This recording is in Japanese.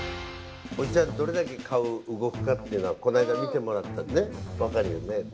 おじさんどれだけ顔動くかっていうのはこのあいだみてもらったのでわかるよね。